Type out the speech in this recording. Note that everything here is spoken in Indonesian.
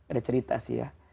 ada cerita sih ya